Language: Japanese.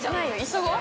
急ごう。